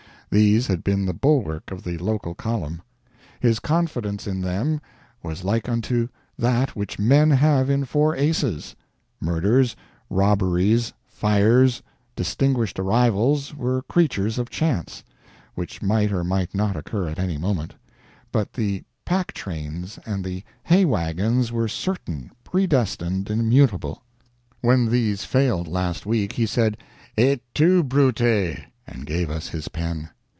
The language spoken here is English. These had been the bulwark of the local column; his confidence in them was like unto that which men have in four aces; murders, robberies, fires, distinguished arrivals, were creatures of chance, which might or might not occur at any moment; but the pack trains and the hay wagons were certain, predestined, immutable! When these failed last week, he said "Et tu Brute," and gave us his pen.